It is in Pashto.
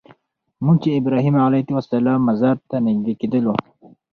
موږ چې ابراهیم علیه السلام مزار ته نږدې کېدلو.